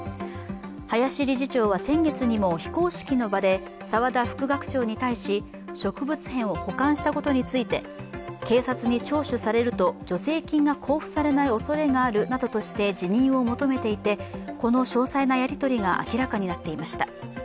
林理事長は、先月にも非公式の場で澤田副学長に対し植物片を保管したことについて警察に聴取されると助成金が交付されないおそれがあるとして辞任を求めていて、この詳細なやり取りが明らかになっていました。